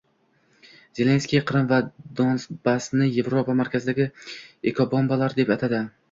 Zelenskiy Qrim va Donbassni Yevropa markazidagi ekobombalar deb atadi